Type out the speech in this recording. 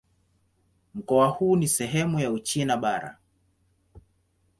Mkoa huu ni sehemu ya Uchina Bara.